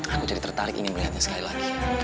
aku jadi tertarik ingin melihatnya sekali lagi